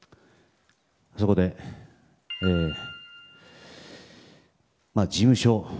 そこで、事務所